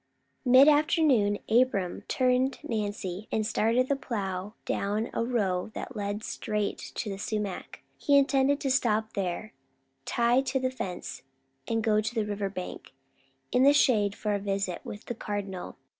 Mid afternoon Abram turned Nancy and started the plow down a row that led straight to the sumac. He intended to stop there, tie to the fence, and go to the river bank, in the shade, for a visit with the Cardinal.